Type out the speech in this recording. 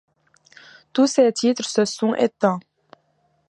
Tous ses titres se sont éteints.